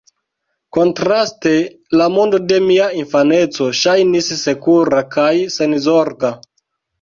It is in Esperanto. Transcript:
Kontraste, la mondo de mia infaneco ŝajnis sekura kaj senzorga.